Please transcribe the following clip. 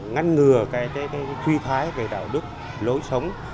ngăn ngừa cái suy thái về đạo đức lối sống